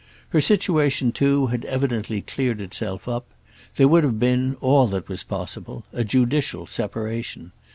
Her situation too had evidently cleared itself up; there would have been—all that was possible—a judicial separation.